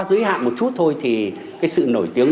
giới hạn một chút thôi thì cái sự nổi tiếng